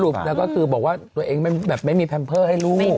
แล้วก็คือบอกว่าตัวเองแบบไม่มีแพมเพอร์ให้ลูก